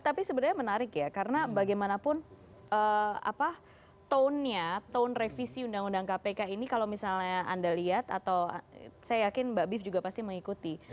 tapi sebenarnya menarik ya karena bagaimanapun tone nya tone revisi undang undang kpk ini kalau misalnya anda lihat atau saya yakin mbak bif juga pasti mengikuti